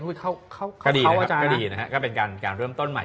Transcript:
ก็ดีนะครับก็ดีนะครับก็เป็นการเริ่มต้นใหม่